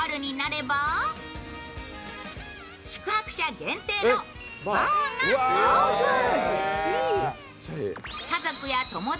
宿泊者限定のバーがオープン。